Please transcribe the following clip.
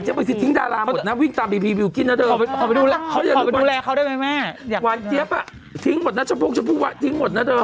เดี๋ยวต้องถามพี่หวานเจี๊ยบ